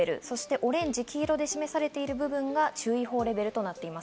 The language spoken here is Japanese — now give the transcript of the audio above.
オレンジ・黄色で示されている部分が注意報レベルとなっています。